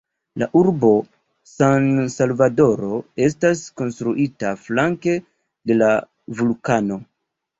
La urbo San-Salvadoro estas konstruita flanke de la vulkano.